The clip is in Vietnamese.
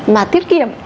mà tiết kiệm